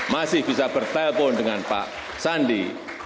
masih bisa bertelpon dengan pak sandi